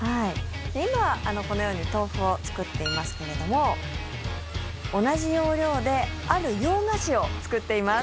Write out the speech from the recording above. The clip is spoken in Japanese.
今、このように豆腐を作っていますけれども同じ要領である洋菓子を作っています。